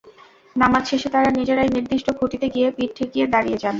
নামাজ শেষে তারা নিজেরাই নির্দিষ্ট খুঁটিতে গিয়ে পিঠ ঠেকিয়ে দাড়িয়ে যান।